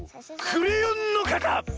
クレヨンのかた！